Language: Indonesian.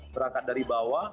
berangkat dari bawah